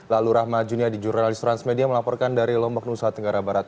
lalu rahma junia di jurnalist transmedia melaporkan dari lombok nusa tenggara barat